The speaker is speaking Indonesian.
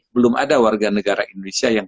belum ada warga negara indonesia yang